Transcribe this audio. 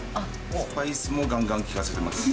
スパイスもがんがん効かせてます。